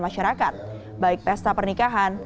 masyarakat baik pesta pernikahan